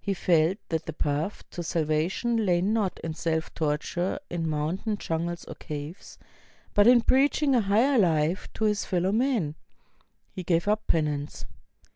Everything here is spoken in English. He felt that the path to salvation lay not in self torture in mountain jungles or caves, but in preach ing a higher life to his fellow men. He gave up penance.